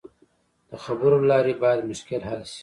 د خبرو له لارې باید مشکل حل شي.